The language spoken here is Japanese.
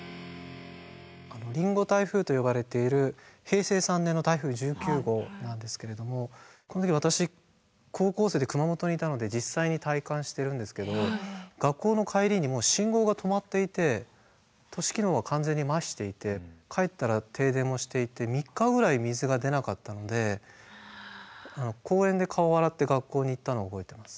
「りんご台風」と呼ばれている平成３年の台風１９号なんですけれどもこの時私高校生で熊本にいたので実際に体感してるんですけど学校の帰りにもう信号が止まっていて都市機能が完全にマヒしていて帰ったら停電もしていて３日ぐらい水が出なかったので公園で顔洗って学校に行ったのを覚えています。